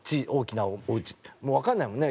もうわかんないもんね。